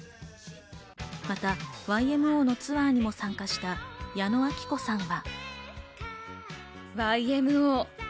またＹＭＯのツアーに参加した矢野顕子さんは。